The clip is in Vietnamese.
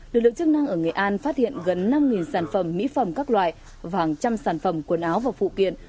lực lượng chức năng ở nghệ an phát hiện gần năm sản phẩm mỹ phẩm các loại và hàng trăm sản phẩm quần áo và phụ kiện